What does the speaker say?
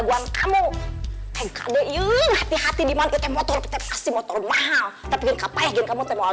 gua kamu enggak ada yang hati hati dimana motor motor mahal tapi kepaikan kamu semua